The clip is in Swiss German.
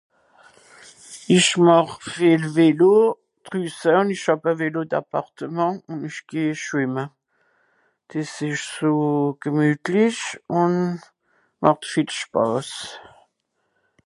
Ìch màch viel Vélo, drüsse, un ìch hàb e Vélo d'appartement un ìch geh schwìmme. Dìs ìsch so gemütlich un màcht viel Spàss.